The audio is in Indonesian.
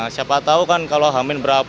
siapa tahu kan kalau hamil berapa pilih apa